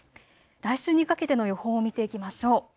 来週にかけての予報を見ていきましょう。